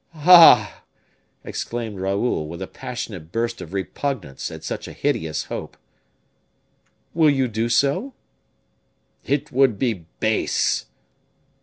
"Ah!" exclaimed Raoul, with a passionate burst of repugnance at such a hideous hope. "Will you do so?" "It would be base."